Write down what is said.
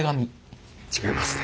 違いますね。